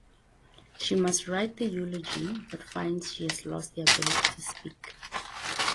She must write the eulogy but finds she has lost the ability to speak.